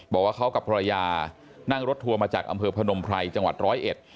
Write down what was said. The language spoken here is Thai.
บอกว่าเขากับภรรยานั่งรถทัวร์มาจากอำเภอพนมไพรจังหวัดร้อยเอ็ด